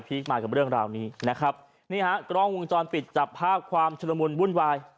มากับเรื่องราวนี้นะครับนี่ฮะกล้องวงจรปิดจับภาพความชุดละมุนวุ่นวาย